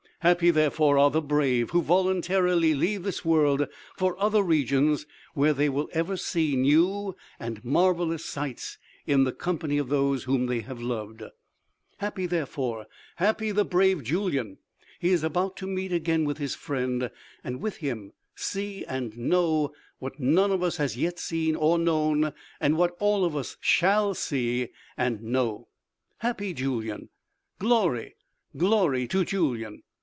"Happy, therefore, are the brave who voluntarily leave this world for other regions where they will ever see new and marvelous sights in the company of those whom they have loved! Happy, therefore, happy the brave Julyan! He is about to meet again with his friend, and with him see and know what none of us has yet seen or known, and what all of us shall see and know! Happy Julyan! Glory, glory to Julyan!"